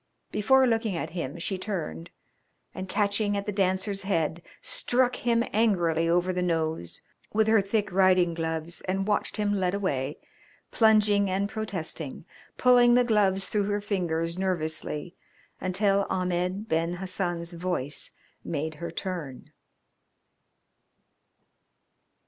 Before looking at him she turned and, catching at The Dancer's head, struck him angrily over the nose with her thick riding gloves and watched him led away, plunging and protesting, pulling the gloves through her fingers nervously, until Ahmed Ben Hassan's voice made her turn.